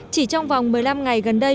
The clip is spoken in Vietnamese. chỉ trong vòng một mươi năm ngày gần đây